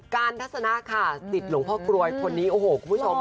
ทัศนะค่ะสิทธิ์หลวงพ่อกรวยคนนี้โอ้โหคุณผู้ชม